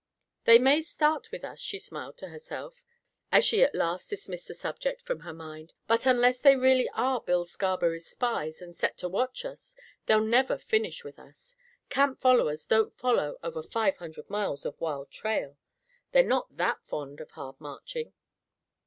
"They may start with us," she smiled to herself, as she at last dismissed the subject from her mind, "but unless they really are Bill Scarberry's spies and set to watch us, they'll never finish with us. Camp followers don't follow over five hundred miles of wild trail. They're not that fond of hard marching."